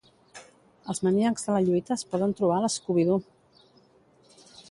Els maníacs de la lluita es poden trobar al Scooby-Doo!